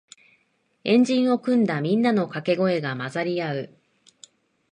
円陣を組んだみんなのかけ声が混ざり合う